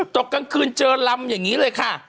กลางคืนเจอลำอย่างนี้เลยค่ะ